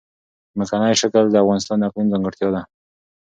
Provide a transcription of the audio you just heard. ځمکنی شکل د افغانستان د اقلیم ځانګړتیا ده.